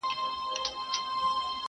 يوه ورځ بيا پوښتنه راپورته کيږي،